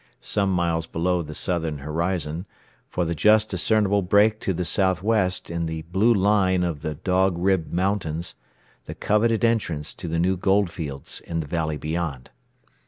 some miles below the southern horizon, for the just discernible break to the southwest in the blue line of the Dog Rib Mountains the coveted entrance to the new gold fields in the valley beyond.